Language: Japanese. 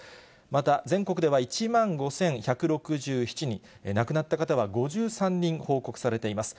また、全国では１万５１６７人、亡くなった方は５３人報告されています。